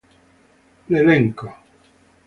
L'elenco n.